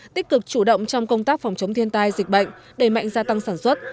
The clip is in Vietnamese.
tích cực chủ động trong công tác phòng chống thiên tai dịch bệnh đẩy mạnh gia tăng sản xuất